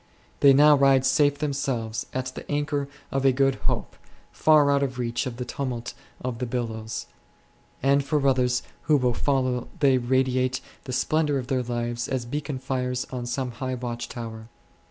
They now ride safe themselves at the anchor of a good hope, far out of reach of the tumult of the billows ; and for others who will follow they radiate the splendour of their "lives as beacon fires on some high watch tower.